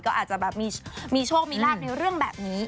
ก็อาจจะแบบมีโชคมีลาบในเรื่องแบบนี้